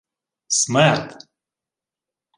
— Смерд!